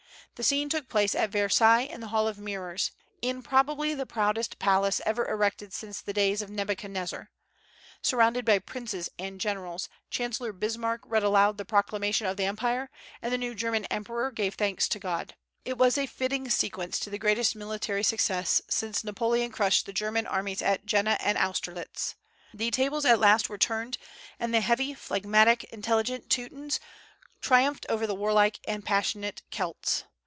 The scene took place at Versailles in the Hall of Mirrors, in probably the proudest palace ever erected since the days of Nebuchadnezzar. Surrounded by princes and generals, Chancellor Bismarck read aloud the Proclamation of the Empire, and the new German emperor gave thanks to God. It was a fitting sequence to the greatest military success since Napoleon crushed the German armies at Jena and Austerlitz. The tables at last were turned, and the heavy, phlegmatic, intelligent Teutons triumphed over the warlike and passionate Celts.